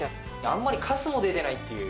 あんまりかすも出てないっていう。